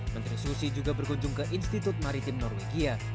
menteri susi juga berkunjung ke institut maritim norwegia